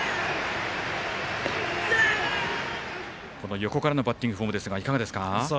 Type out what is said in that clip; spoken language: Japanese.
横からのバッティングフォームですがいかがですか。